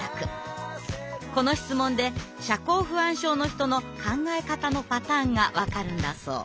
この質問で社交不安症の人の考え方のパターンが分かるんだそう。